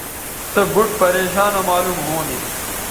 سے بُوٹ پریشان معلوم ھونے